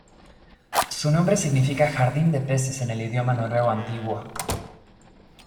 Su nombre significa "Jardín de Peces" en el idioma noruego antiguo.